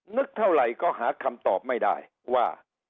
เท่าไหร่ก็หาคำตอบไม่ได้ว่า